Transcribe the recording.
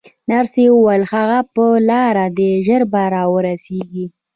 نرسې وویل: هغه پر لار دی، ژر به راورسېږي.